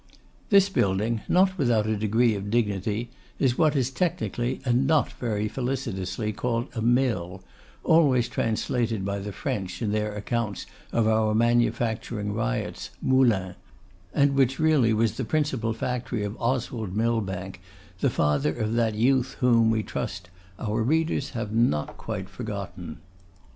This building, not without a degree of dignity, is what is technically, and not very felicitously, called a mill; always translated by the French in their accounts of our manufacturing riots, 'moulin;' and which really was the principal factory of Oswald Millbank, the father of that youth whom, we trust, our readers have not quite forgotten.